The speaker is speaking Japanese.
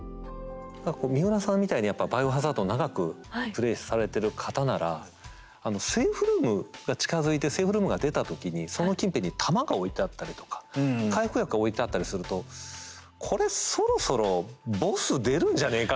三浦さんみたいにやっぱ「バイオハザード」を長くプレイされてる方ならセーフルームが近づいてセーフルームが出た時にその近辺に弾が置いてあったりとか回復薬が置いてあったりすると「これそろそろボス出るんじゃねえか？」